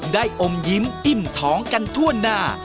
อมยิ้มอิ่มท้องกันทั่วหน้า